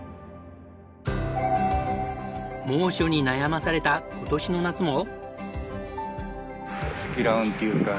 猛暑に悩まされた今年の夏も。